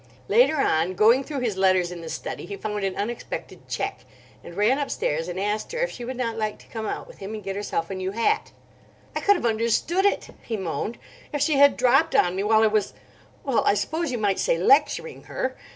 Later on, going through his letters in the study, he found an unexpected cheque; and ran upstairs and asked her if she would not like to come out with him and get herself a new hat. "I could have understood it," he moaned, "if she had dropped on me while I was—well, I suppose, you might say lecturing her.